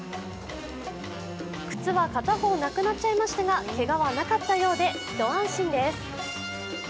靴は片方なくなっちゃいましたがけがはなかったようで一安心です。